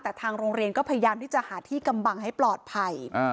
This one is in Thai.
แต่ทางโรงเรียนก็พยายามที่จะหาที่กำบังให้ปลอดภัย